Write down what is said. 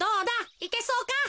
いけそうか？